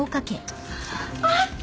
あった。